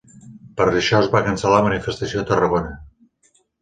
Per això es va cancel·lar la manifestació a Tarragona.